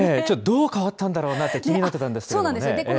ちょっとどう変わったんだろうなと気になってたんですがね。